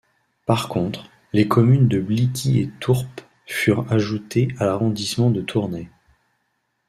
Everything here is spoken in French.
Par contre, les communes de Blicquy et Tourpes furent ajoutées à l'arrondissement de Tournai.